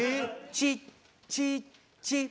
「チッチッチッ」。